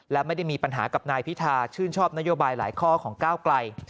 และไม่ได้มีปัญหากับนายพิธาชื่นชอบนโยบายหลายข้อของก้าวไกล